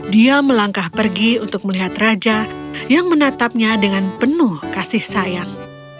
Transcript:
dia melangkah pergi untuk melihat raja yang menatapnya dengan penuh kasih sayang